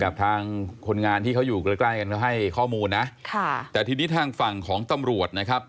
กับทางคนงานที่เขาอยู่ใกล้ใกล้กันเขาให้ข้อมูลนะค่ะแต่ทีนี้ทางฝั่งของตำรวจนะครับ